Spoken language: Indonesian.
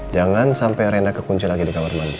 jangan sampai rena kekunci lagi di kamar mandi